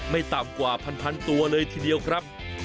ไม่ต่ำกว่าพันตัวเลยทีเดียวครับ